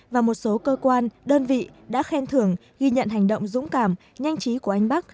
và một số cơ quan đơn vị đã khen thưởng ghi nhận hành động dũng cảm nhanh chí của anh bắc